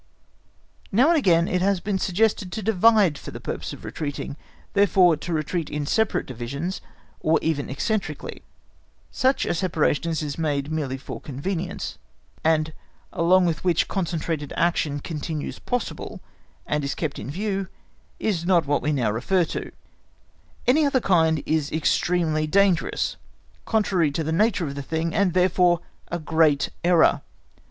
Now and again it has been suggested(*) to divide for the purpose of retreating, therefore to retreat in separate divisions or even eccentrically. Such a separation as is made merely for convenience, and along with which concentrated action continues possible and is kept in view, is not what we now refer to; any other kind is extremely dangerous, contrary to the nature of the thing, and therefore a great error.